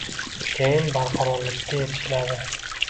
Keyin barqarorlikka erishiladi